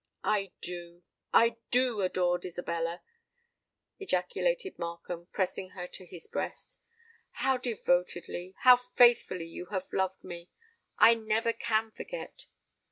"I do—I do, adored Isabella!" ejaculated Markham, pressing her to his breast. "How devotedly—how faithfully you have loved me, I never can forget!